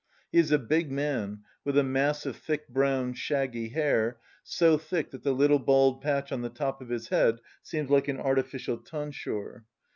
He is a big man, with a mass of thick brown shaggy hair, so thick that the little bald patch on the top of his head seems like an artificial tonsure.